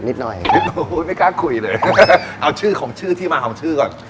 หน่อยไม่กล้าคุยเลยเอาชื่อของชื่อที่มาของชื่อก่อน